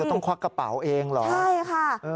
ต้องควักกระเป๋าเองเหรอใช่ค่ะ